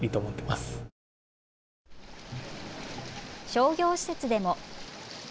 商業施設でも。